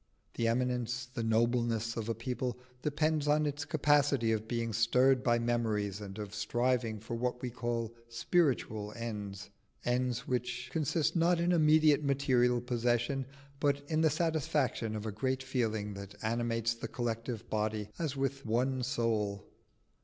The eminence, the nobleness of a people depends on its capability of being stirred by memories, and of striving for what we call spiritual ends ends which consist not in immediate material possession, but in the satisfaction of a great feeling that animates the collective body as with one soul.